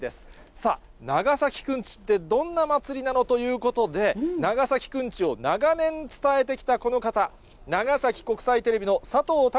さあ、長崎くんちってどんな祭りなのということで、長崎くんちを長年伝えてきたこの方、長崎国際テレビの佐藤肖